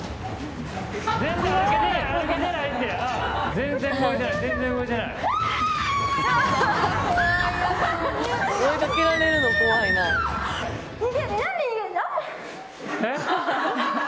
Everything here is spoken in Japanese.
全然動いてない。